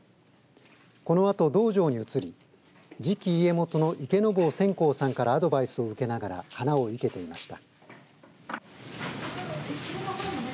このあと道場に移り次期家元の池坊専好さんからアドバイスを受けながら花を生けていました。